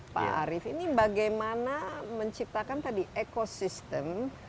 pak arief ini bagaimana menciptakan tadi ekosistem